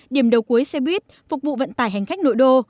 điểm đầu cuối xe buýt phục vụ vận tải hành khách nội đô